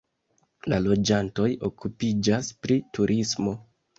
La loĝantoj okupiĝas pri turismo.